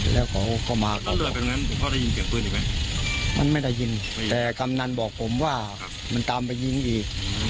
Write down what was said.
แล้วก็เข้ามาก็มันไม่ได้ยินแต่กำนันบอกผมว่ามันตามไปยิงอีก